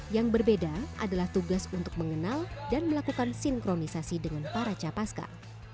yang berbeda adalah tugas untuk mengenal dan melakukan sinkronisasi dengan para capaska